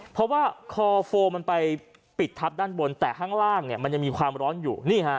เพราะว่าคอโฟมมันไปปิดทับด้านบนแต่ข้างล่างมันยังมีความร้อนอยู่